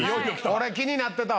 これ気になってた！